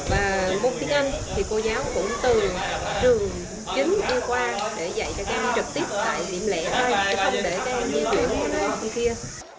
và môn tiếng anh thì cô giáo cũng từ trường chính đi qua để dạy cho các em trực tiếp tại điểm lẻ hai chứ không để các em di chuyển qua nơi kia